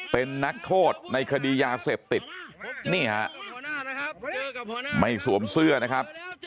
เป็นนักโทษในคดียาเสพติดนี่ฮะไม่สวมเสื้อนะครับ